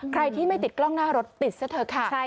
ใครที่ไม่ติดกล้องหน้ารถติดซะเถอะค่ะ